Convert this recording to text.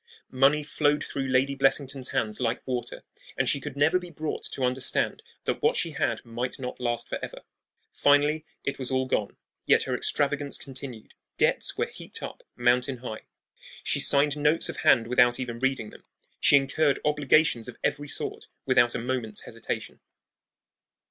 Money flowed through Lady Blessington's hands like water, and she could never be brought to understand that what she had might not last for ever. Finally, it was all gone, yet her extravagance continued. Debts were heaped up mountain high. She signed notes of hand without even reading them. She incurred obligations of every sort without a moment's hesitation.